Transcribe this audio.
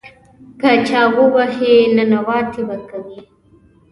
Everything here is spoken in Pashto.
که چا ووهې، ننواتې به کوې.